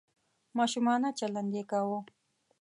ماشومانه چلند یې کاوه .